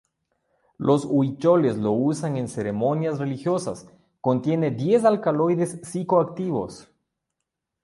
Los Huicholes los usan en ceremonias religiosas; contiene diez alcaloides psicoactivos.